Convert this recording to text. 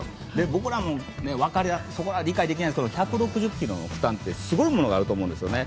僕らもそこは理解できないですけど１６０キロの負担ってすごいものがあると思うんですね。